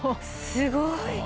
すごい。